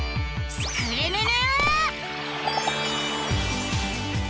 スクるるる！」